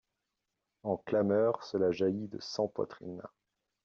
En clameur, cela jaillit de cent poitrines.